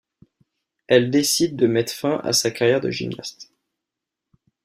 Elle décide de mettre fin à sa carrière de gymnaste.